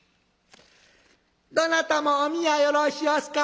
「どなたもおみやよろしおすか？